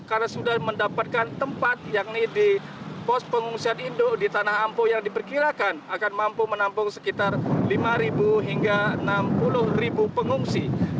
karena sudah mendapatkan tempat yang ini di pos pengungsian induk di tanah ampoh yang diperkirakan akan mampu menampung sekitar lima hingga enam puluh pengungsi